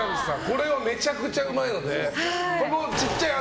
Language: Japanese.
これはめちゃくちゃうまいので。